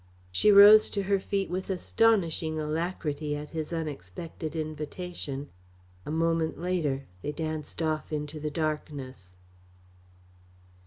She rose to her feet with astonishing alacrity at his unexpected invitation. A moment later they danced off into the darkness.